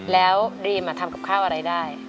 แล้วรีมทำกับข้าวอะไรได้